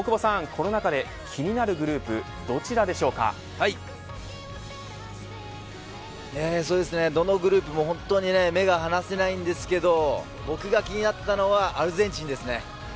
この中で気になるグループそうですね、どのグループも本当に目が離せないんですが僕が気になったのはアルゼンチンですね。